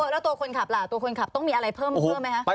แล้วตัวคนขับล่ะตัวคนขับต้องมีอะไรเพิ่มไหมคะ